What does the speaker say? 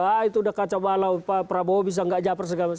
wah itu udah kaca balau pak prabowo bisa gak japer segala macam